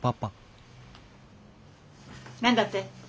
何だって？